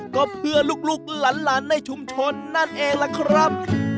ก็เพื่อลูกหลานในชุมชนนั่นเองล่ะครับ